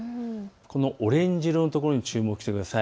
オレンジ色のところに注目してください。